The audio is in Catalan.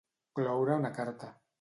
Cloure una carta.